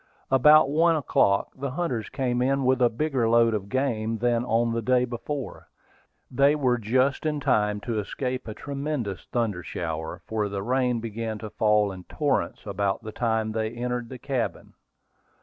About one o'clock, the hunters came in with a bigger load of game than on the day before. They were just in time to escape a tremendous thunder shower, for the rain began to fall in torrents about the time they entered the cabin.